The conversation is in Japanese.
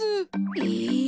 え。